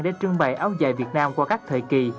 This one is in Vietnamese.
để trưng bày áo dài việt nam qua các thời kỳ